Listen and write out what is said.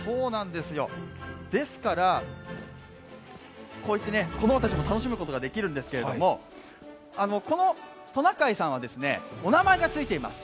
ですから、子供たちも楽しむことができるんですけれども、トナカイさんは、お名前がついています。